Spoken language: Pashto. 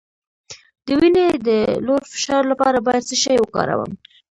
د وینې د لوړ فشار لپاره باید څه شی وکاروم؟